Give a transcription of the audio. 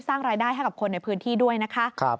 สร้างรายได้ให้กับคนในพื้นที่ด้วยนะคะ